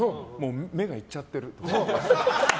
目がいっちゃってるって。